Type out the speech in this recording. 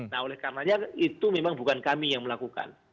nah oleh karenanya itu memang bukan kami yang melakukan